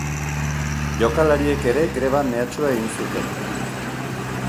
Jokalariek ere greba mehatxua egin zuten.